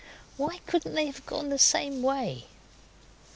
Why couldn't they have gone the same way?